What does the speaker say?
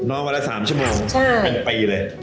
วันละ๓ชั่วโมงเป็นปีเลย